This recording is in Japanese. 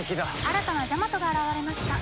新たなジャマトが現れました。